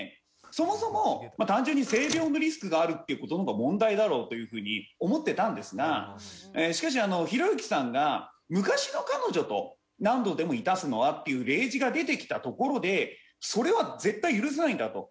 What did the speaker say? そもそも単純に性病のリスクがあるっていう事の方が問題だろうというふうに思ってたんですがしかしひろゆきさんが昔の彼女と何度でも致すのはっていう例示が出てきたところでそれは絶対許せないんだと。